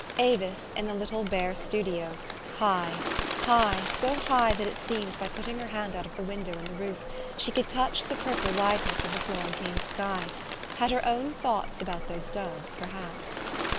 A\> is, in the little bare studio, high, high, so high that it seemed, by putting her hand out of the window in the roof, she could touch the purple wide ness of the Florentine sky, had her own thoughts about those doves, perhaps.